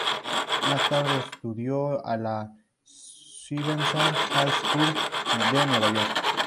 Más tarde estudió a la Stuyvesant High School de Nueva York.